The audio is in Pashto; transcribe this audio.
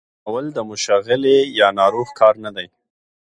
ناول د مشغلې یا ناروغ کار نه دی.